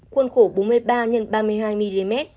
khuôn khổ bốn mươi ba x ba mươi hai mm